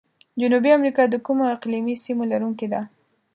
جنوبي امریکا د کومو اقلیمي سیمو لرونکي ده؟